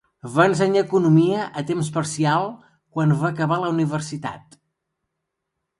Va ensenyar econòmica a temps parcial quan va acabar la universitat.